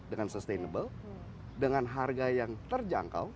dengan sustainable dengan harga yang terjangkau